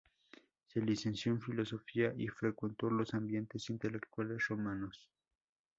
Se licenció en Filosofía y frecuentó los ambientes intelectuales romanos.